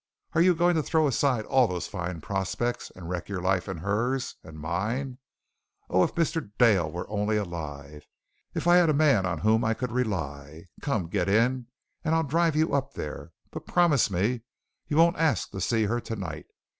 Are you going to throw aside all those fine prospects and wreck your life and hers and mine? Oh, if Mr. Dale were only alive! If I had a man on whom I could rely! Come, get in, and I'll drive you up there, but promise me you won't ask to see her tonight.